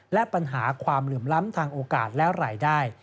และปัญหาความเหลื่อมล้ำทางโอกาสและรายได้